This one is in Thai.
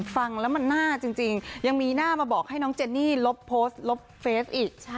ฟังแล้วมันน่าจริงยังมีหน้ามาบอกให้น้องเจนี่ลบโพสต์ลบเฟสอีก